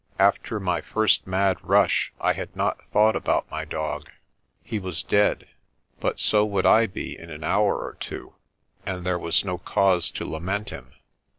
After my first mad rush I had not thought about my dog. He was dead, but so would I be in an hour or two, and there was no cause to lament him.